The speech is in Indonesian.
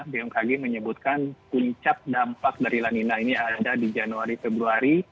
bmkg menyebutkan puncak dampak dari lanina ini ada di januari februari